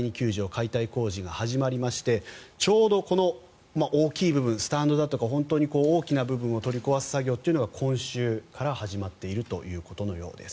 解体工事が始まりましてちょうど大きい部分スタンドだとか大きな部分を取り壊す作業というのが今週から始まっているということのようです。